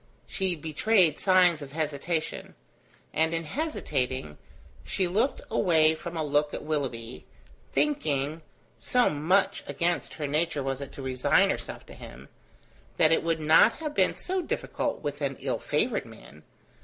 She betrayed signs of hesitation; and in hesitating, she looked away from a look at Willoughby, thinking (so much against her nature was it to resign herself to him) that it would not have been so difficult with an ill favoured man.